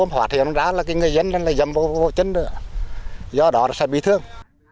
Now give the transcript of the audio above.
mà phát hiện ra là cái người dân là dâm vô chân rồi do đó là sẽ bị thương